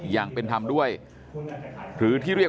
การสอบส่วนแล้วนะ